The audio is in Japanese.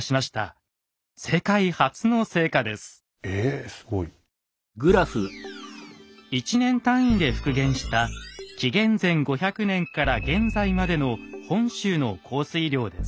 すごい！１年単位で復元した紀元前５００年から現在までの本州の降水量です。